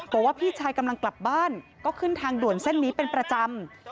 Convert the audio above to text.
บอกว่าพี่ชายกำลังกลับบ้านก็ขึ้นทางด่วนเส้นนี้เป็นประจำ